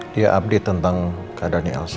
dia update tentang keadaannya elsa